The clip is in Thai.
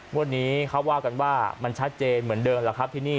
วันนี้เขาว่ากันว่ามันชัดเจนเหมือนเดิมแล้วครับที่นี่